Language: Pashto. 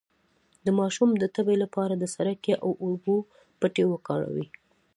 د ماشوم د تبې لپاره د سرکې او اوبو پټۍ وکاروئ